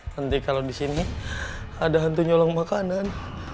nanti kalau di sini ada hantu nyolong makanan